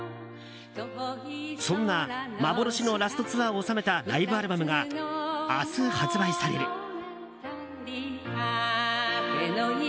そんな幻のラストツアーを収めたライブアルバムが明日、発売される。